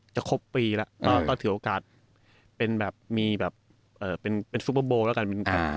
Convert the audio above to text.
จะครบปีแล้วเออก็ถือโอกาสเป็นแบบมีแบบเอ่อเป็นเป็นแล้วกันอ่า